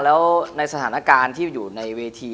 แล้วในสถานการณ์ที่อยู่ในเวที